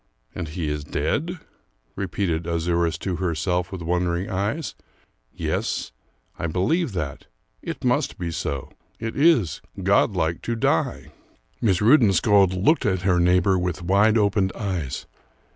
"And he is dead?" repeated Azouras to herself with wondering eyes. "Yes, I believe that; it must be so: it is godlike to die!" Miss Rudensköld looked at her neighbor with wide opened eyes.